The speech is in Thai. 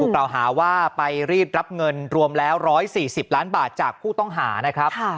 ผู้กล่าวหาว่าไปรีบรับเงินรวมแล้วร้อยสี่สิบล้านบาทจากผู้ต้องหานะครับค่ะ